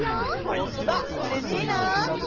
ほんとだうれしいな！